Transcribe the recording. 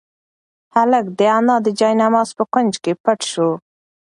هلک د انا د جاینماز په کونج کې پټ شو.